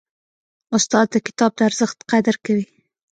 استاد د کتاب د ارزښت قدر کوي.